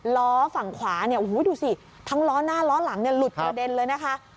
ล้อฝั่งขวาดูสิทั้งล้อหน้าล้อหลังหลุดกระเด็นเลยนะคะ